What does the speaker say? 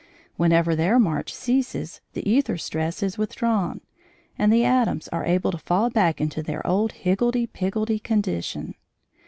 Whenever their march ceases the æther stress is withdrawn, and the atoms are able to fall back into their old higgledy piggledy condition.